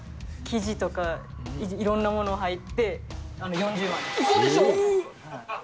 生地とかいろんなもの入って、うそでしょ？